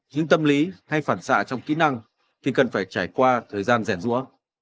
nhưng tâm lý hay phản xạ trong kỹ năng thì cần phải trải qua thời gian rẻ rũa